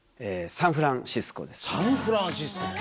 サンフランシスコ。